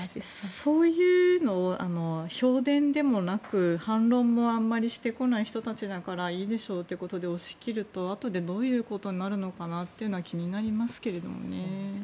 そういうのを票田でもなく反論もあまりしてこない人たちだからいいでしょうみたいなことで押し切るとあとでどういうことになるのかなというのは気になりますけどね。